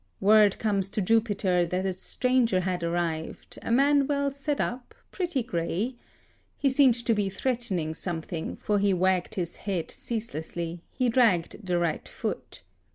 Word comes to Jupiter that a stranger had arrived, a man well set up, pretty grey; he seemed to be threatening something, for he wagged his head ceaselessly; he dragged the right foot.